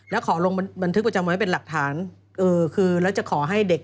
แล้วขอลงบันทึกประจำไว้เป็นหลักฐานเออคือแล้วจะขอให้เด็ก